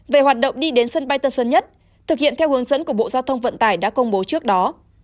về hoạt động đi đến sân bay tân sơn nhất thực hiện theo hướng dẫn của bộ giao thông vận tải đã công bố trước đó